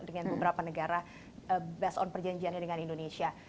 dengan beberapa negara based on perjanjiannya dengan indonesia